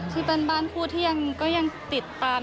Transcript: ที่เป็นบ้านคู่ที่ยังติดตาม